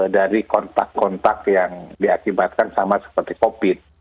dari kontak kontak yang diakibatkan sama seperti covid